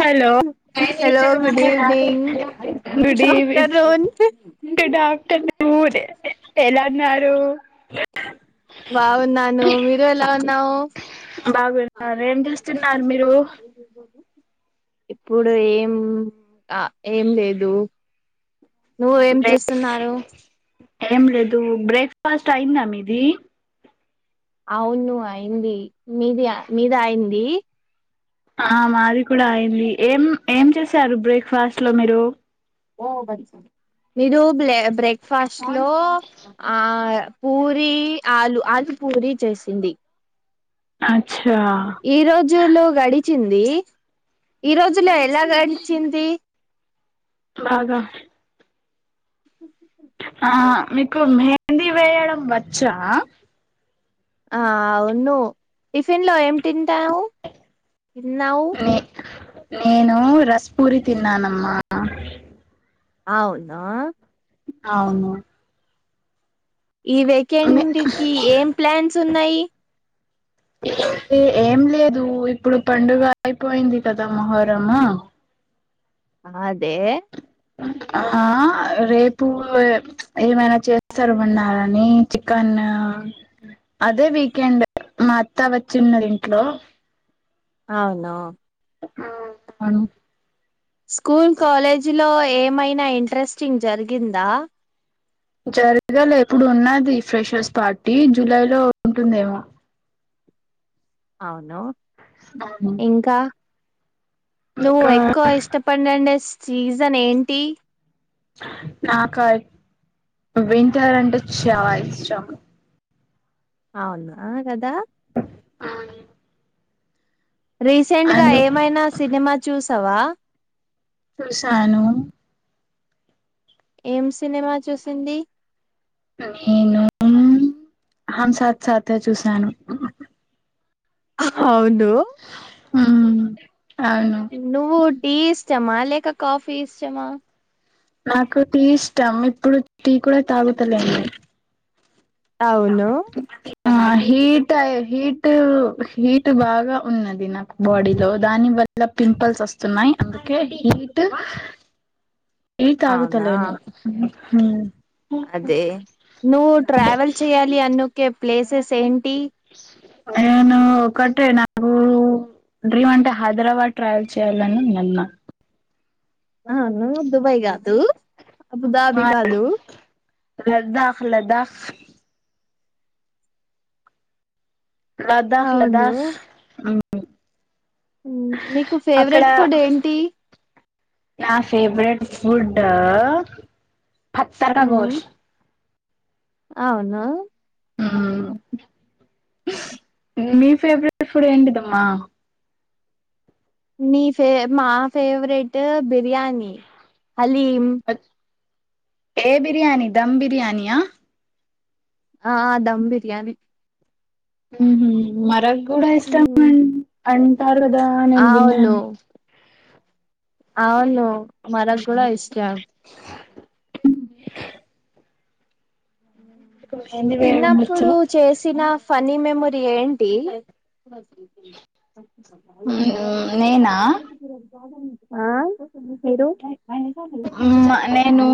Hello hello good evening good evening afternoon ఎలాన్నారు బావ్వునాను మీరు ఎలా అవున్నావ్ బాగున్నారు ఏం చేస్తున్నారు మీరు ఇప్పుడు ఏం ఏం లేదు నువ్వు ఏం చేస్తున్నారు ఏం లేదు బ్రేక్ఫాస్ట్ అయిందా మీది అవును అయింది మీది మీద అయింది ఆ మాది కూడా అయింది ఏం ఏం చేశారు బ్రేక్ఫాస్ట్ లో మీరు ఓ బచ్చి మీరు బ్లె బ్రేక్ఫాస్ట్లో ఆ పూరి ఆలు ఆల్ పూరి చేసింది అ ఈ రోజులు గడిచిం దీ ఈ రోజులో ఎలా గడిచింది బాగా ఉ ఆ మీకు మెహెందీ వేయడం వచ్చా ఆ అవును టిఫిన్ లో ఏం తింటావు తిన్నావు నే నేను రస్ పూరి తిన్నానమ్మా అవునా అవును ఈ వేకెండ్కిి ఏం ప్లాన్స్ ఉన్నాయి తే ఏం లేదు ఇప్పుడు పండుగ అయిపోయింది కదా మొహరము అదే ఆ రేపు ఏమైనా చేస్తారు ఉన్నారని చిక అదే వీకెండ్ మా అత్తా వచ్చింది ఇంట్లో అవ్నొ ఉమ్ స్కూల్ కాలేజీలో ఏమైనా ఇంట్రెస్టింగ్ జరిగిందా జర్గలే ఇప్పుడున్నాది ఫ్రెషర్స్ పార్టీ జూలై లో ఉంటుందేమో అవును ఆహ్ ఇంకా నువ్వు ఎక్కువ ఇష్టప [unintelligible] సీజన్ ఏంటి నాక వింటరంటే చా ఇష్టం అవున కదా ఆ రీసెంట్గా ఏమైనా సినిమా చూసావా సుశాను ఏం సినిమా చూసింది నేను అహం సాత్ సాతే చూసాను అవును ఉమ్ అవును నువ్వు టీ ఇష్టమా లేక కాఫీ ఇష్టమా నాకు టీ ఇష్టం ఇప్పుడు టీ కూడా తాగుతలేన్ నేన్ అవును ఆ హీట్ హీట్ హీట్ బాగా ఉన్నది నాకు బాడీలో దాని వల్ల పింపుల్స్ వస్తున్నాయ్ అందుకే టీ అవునా తాగుతలేను హుం అదే నువ్వు ట్రావెల్ చెయాలి అనుకే ప్లేసెస్ ఏంటి నేను ఒకటే నాకు డ్రీమ్ అంటే హైదరాబాద్ ట్రావెల్ చేయాలనినున్నాది నాక్ అవును దుబాయ్ కాదు అబుదాబి కాదు లడ్డఖ్ లడా లదాక్ అవును లదాస్ ఉమ్ నీకు అక్కడ ఫేవరెట్ ఫుడ్ ఏంటి నా ఫేవరెట్ ఫుడ్ [unintelligible] గోష్ అవునా ఉమ్ ఇగ మీ ఫేవరెట్ ఫుడ్ ఏంటిదమ్మా మీ ఫే మా ఫేవరెట్ బిర్యానీ హలీం ఏ బిర్యానీ దమ్ బిర్యానీ యా ఆ దమ్ బిర్యాని ఉహు మరగ్ గుడా ఇష్టా మ ఉమ్, అం టారుగదా నేన్ అవును విన్నాను అవును మన గుడా ఇష్టం ఏంది వేయడం వచ్చు తిన్నప్పుడు చేసిన ఫన్ని మెమొరీ ఏంటి ఊ నేనా అ మీరు నేను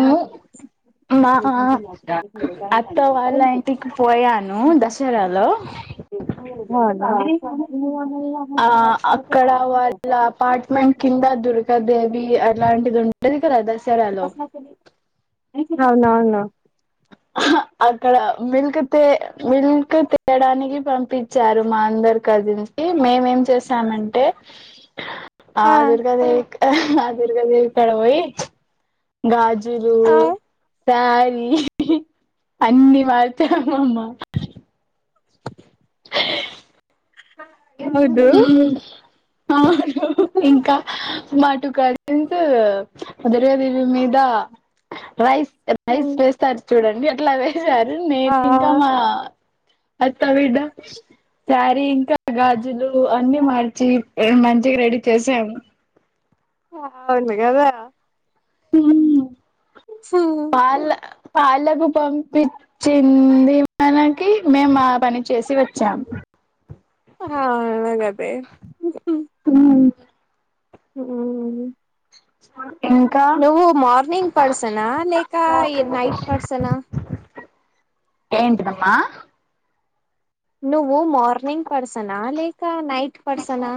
అలా ఇంటికి పోయాను దసరాలో అవునా ఆ అక్కడ వాళ్ళ అపార్ట్మెంట్ కింద దుర్గాదేవి అట్లాంటిది ఉంట [unintelligible] డ్రెస్ అవునవును అక్కడ మిల్క్ తే మిల్క్ తేయడానికి పంపించారు మా అందరకది మేమేం చేసామంటే ఆ దుర్గా దేవిక్ ఆ దుర్గా దేవి కడ పోయి గాజు జులు సారీ అన్ని మార్చామ్ అమ్మా ఉ అవును హు హుం ఇంకా మా టూ కజిన్స్ దురగదేవి మీద రైస్ రైస్ వేస్తారు చూడండి అట్లా వేసారు ఆ నేను ఇంకా మా త్త బిడ్డ సారి గాజులు అన్ని మార్చి మంచిగా రెడీ చేసాము ఆ అవునుగదా ఊమ్ హు పాళ్లకు పంపించింది మనకి మేము ఆ పని చేసి వచ్చాం ఆ అవును గదే ఊమ్ ఆ నువ్వు మార్నింగ్ పర్సనా లేక ఈ నైట్ పర్సనా ఏంటిదమ్మా. నువ్వు మార్నింగ్ పర్సనా లేక నైట్ పర్సనా.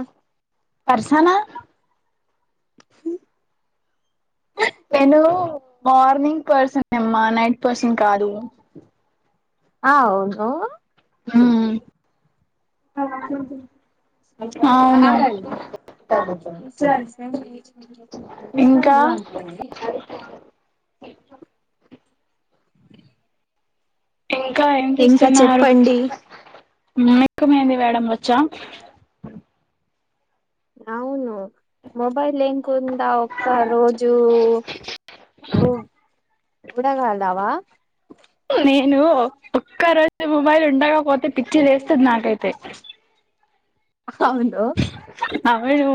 పర్సనా. ఉమ్. నేను మార్నింగ్ పర్సన్యేమ్మా నైట్ పర్సన్ కాదు. అవును. ఉమ్ అవును. ఇప్పుడు ఇంకా నువ్వా అంటుంది. ఇంకా ఏం ఇంకా చేస్తున్నారు. చెప్పండి మిలేక్కు మేడం వచ్చా. అవును మొబైల్ ఏం కొందవు. ఒక్క రోజు ఇప్పుడా కాడవా. నేను ఒక్క రోజు మొబైల్ ఉండకపోతే పిచ్చి లేస్తది నాకైతే. అవునా. అవును.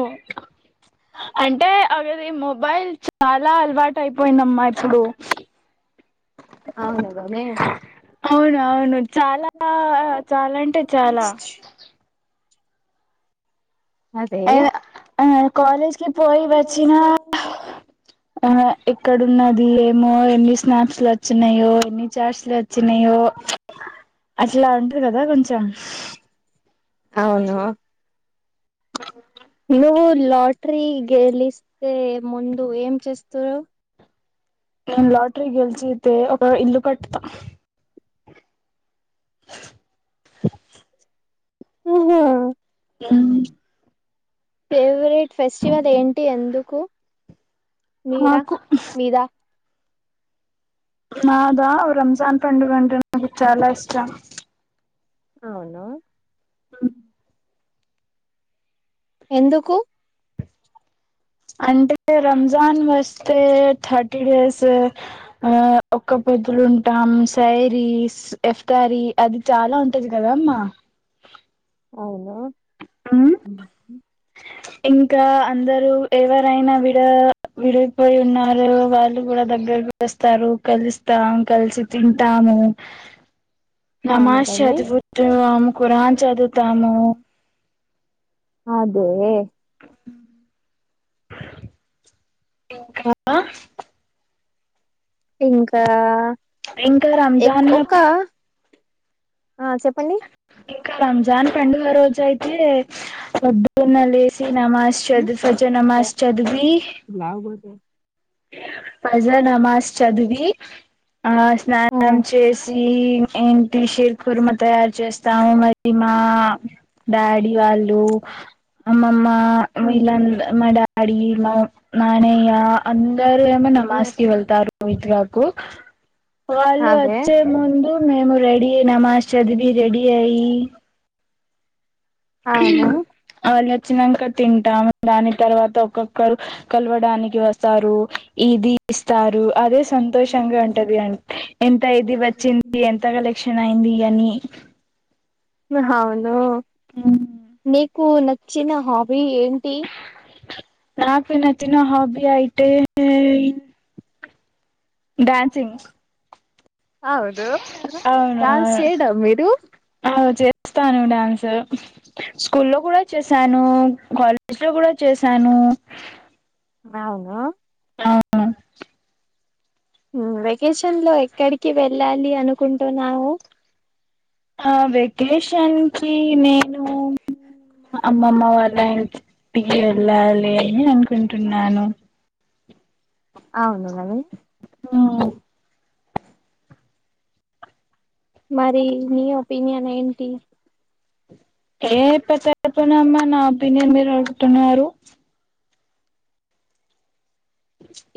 అంటే అవేది మొబైల్ చాలా అలవాటు అయిపోయిందమ్మా ఇప్పుడు. అవునుగానే అవును అవును చాలా చాలా అంటే చాలా. అదే. నేను కాలేజీకి పోయి వచ్చిన ఆహ్. ఆహ్ ఎక్కడ ఉన్నది ఏమో ఎన్ని స్నాప్స్లు వచ్చినయో ఎన్ని చాట్స్లు వచ్చినాయో. ఓ ప్చ్ అసలు అంటారు కదా కొంచెం. అవును హలో. నువ్వు లాటరీ గెలిస్తే ముందు ఏం చేస్త్రరు. నేను లాట్రీ గెల్చితే ఒక ఇల్లు కడతా ఆహా. ఉమ్ మీ ఫేవరెట్ ఫెస్టివల్ ఏంటి ఎందుకు. మీరా నాకు మీద. నాదా రంజాన్ పండుగంటే నాకు చాలా ఇష్టం. అవునా. ఉమ్. ఎందుకు. అంటే రంజాన్ వస్తే థర్టీ డేస్ ఆహ్ ఒక పో. పొద్దులు ఉంటాం సైరీస్ ఎఫ్తారీ అది చాలా ఉంటది కదా అమ్మా. అవునా. ఇంకా అందరు ఎవరైనా విడ విడిపోయి ఉన్నారు వాళ్ళు కూడా దగ్గర. వస్తారు కలుస్తాం కలిసి తింటాము. అవును నమాజ్ కదే చదువుతము కురాన్ చదువుతాము. అదే. హలో. ఇంకా. ఇంకా ఎక్ రంజాన్ ఒక ఆ చెప్పండి ఇంకా రంజాన్ పండుగ రోజు అయితే పొద్దున్నే లేసి నమాస్ చదు ఫజ నమాస్ చదివి పజ నమాజ్ చదివి ఆ స్నానం చేసి ఈ ఏంటిషీర్ కుర్మ తయారు చేస్తాం మరి మా డాడీ వా ల్లు అమ్మ అమ్మా వీళ్లంద్ మా డాడి మా నాణయ్య అన్ రారు ఏమో నమాజ్ కి వెళ్తారు ఇదికు ఆ వాళ్ళు అదే వచ్చే ముందు మేము రెడీ నమాజ్ చదివి రెడీ అయ్యి అవును అ వచ్చినంక తింటాం దాని తర్వాత ఒక్కొక్కరు కలవడానికి వస్తారు ఇది ఇస్తార్ అదే సంతోషంగా ఉంటది అ ఎంత ఇది వచ్చింది ఎంత కలెక్షన్ అయింది అని అవును నీకు నచ్చిన హాబీ ఏంటి నాకు నచ్చిన హాబీ అయితే డాన్సింగ్ అవును కదా డాన్స్ అవునవును చేయడా మీరు అచే చేస్తాను డ్యాన్స్ స్కూల్లోలో కూడా చేశాను కాలేజ్ లో కూడా చేశాను అవున అవును వెకేషన్లో ఎక్కడికి వెళ్ళాలి అనుకుంటున్నావు ఆ వెకేషన్ కి నేను అమ్మమ్మ వాళ్ళ ఇంటిికి వెళ్ళాలి అని అనుకుంటున్నాను అవును నని ఆ మరి నీ ఒపీనియన్ ఏంటి ఏ పె చెప్పనమ్మా నా ఒపీనియన్ మీరు అడుగుతున్నారు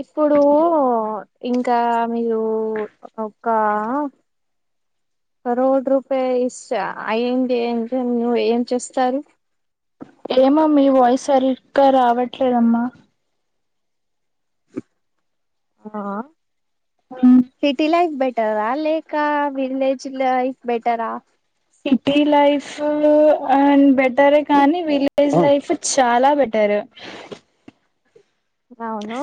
ఇప్పుడూ ఇంకా మీరు ఒకా కరోడ్ రూపాయ ఇషా అయింది ఎం ఏం చేస్తారు ఏమో మీ వాయిస్ సరిగ్గా రావట్లేదమ్మా సిటీలైఫ్ బె టరా లేకా విలేజ్ లైఫ్ బెటరా సిటీ లైఫ్ అన్ బెటరే కానీ విలేజ్ లైఫ్ చాలా పెట్టారు అవున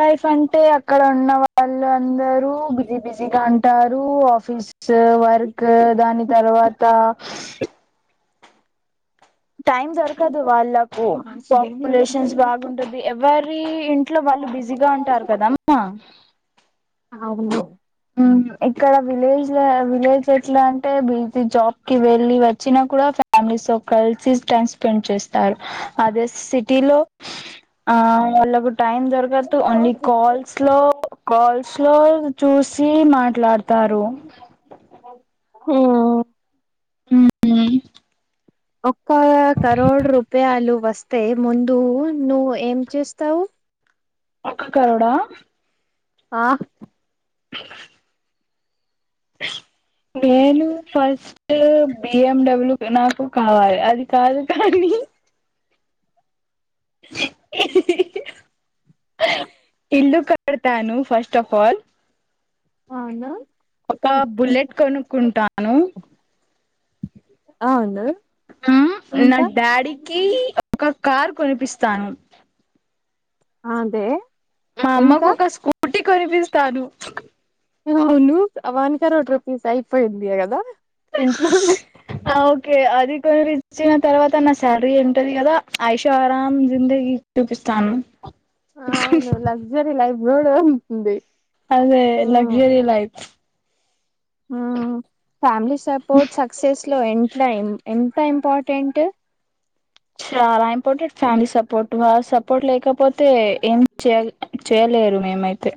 లైఫ్ అంటే అక్కడ ఉన్న వాళ్ళు అందరూ బిజీ బిజీగా ఉంటారు ఆఫీస్ వర్క్ దాని తర్వాత టైమ్ దొరకదు వాళ్ళకు పాపులేషన్స్ బాగుంటది ఎవరీ ఇట్లో వాళ్ళు బిజీగా ఉంటారు కదా అమ్మ అవును ఇక్కడ విలేజ్ లో విలేజ్ ఎట్లా అంటే బిజ జాబ్ కి వెళ్ళి వచ్చినా కూడ ఫ్యామిలీస్ కలిసి టైమ్ స్పెండ్ చేస్తారు అదే సిటీలో ఆ వాళ్లకు టైం దొరకద్దు ఓన్లీ కాల్స్ లో కాల్స్ లో చూస్ సి మాట్లాడతారు ఆ ఉమ్ ఒక్క కరోడు రూప్యాలు వస్తే ముందు నువ్వు ఏం చేస్తావు ఒక్క కరోడా ఆ నేను ఫస్ట్ బిఎండబ్ల్యూ నాకు కావాలి అది కారు కాన్నీ ఇల్లు కడతాను ఫస్ట్ ఆఫ్ ఆల్ అనా ఒక బుల్లెట్ కొనుక్కుంటాను అవ్ను ఉం నా డాడీకి ఒక్క కార్ కొనిపిస్తాను అ దే మా అమ్మకు ఒక స్కూటీ కొనిపిస్తాను వును అవన్కరోట్ రూపీస్ అయిపోయింది గదా అ ఓకే అది రిచ్చయిన తర్వాత నా శాలరీ ఏంటది కదా ఆయుషో ఆరాం జిందగిీ చూపిస్తాను అవును లగ్జరీ లైఫ్ కూడా ఉంటుంది అదే లక్జరిీ లైఫ్ అ ఫ్యామిలీ సపోర్ట్ సక్సెస్ లో [unintelligible] ఎన్ త ఇంపార్ర్టెంట్ చాలా ఇంపార్టెంట్ ఫ్యామిలీ సపోర్ట్ గా సపోర్ట్ లేకపోతే ఏం చే చేయలేరు మేమైతే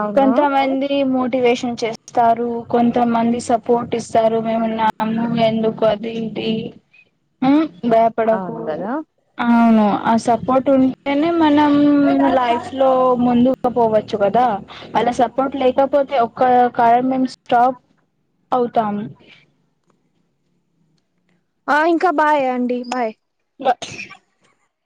అవును కొంత మంది మొ టివేషన్ చేస్తారు కొంతమంది సపోర్ట్ ఇస్తారు మేమునము ఎందుకు అది [unintelligible] బయాపడాకు అవును కదా అవును ఆ సపోర్ట్ ఉంటేనే మనం లైఫ్ లో ముందుక పోవ చ్చు కదా వాళ్ళ సపోర్ట్ లేకపోతే ఒక్క [unintelligible] మేమెం స్టాప్ అవ్తాం ఆ ఇంకా బాయ్ అంటీ బాయ్ బ